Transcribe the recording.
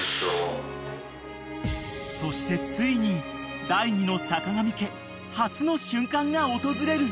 ［そしてついに第２の坂上家初の瞬間が訪れる］